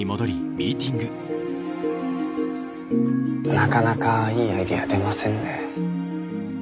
なかなかいいアイデア出ませんね。